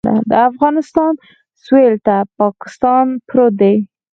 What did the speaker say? د افغانستان سویل ته پاکستان پروت دی